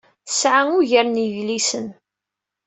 Tesɛa ugar n yedlisen.